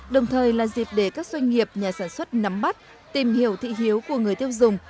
để các doanh nghiệp nhà sản xuất nắm bắt tìm hiểu thị hiếu của người tiêu dùng